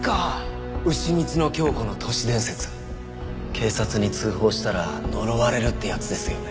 警察に通報したら呪われるってやつですよね。